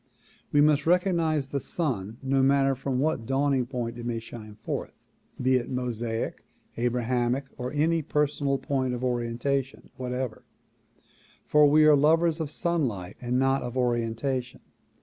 We must recognize the sun no matter from what dawning point it may shine forth, be it Mosaic, Abrahamic or any personal point of orientation whatever, for we are lovers of sunlight and not of orientation.